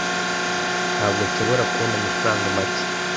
ntabwo nshobora kubona amafaranga make